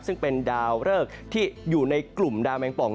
ซึ่งเป็นดาวเริกที่อยู่ในกลุ่มดาวแมงป่อง